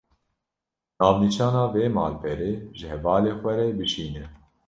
Navnîşana vê malperê, ji hevalê xwe re bişîne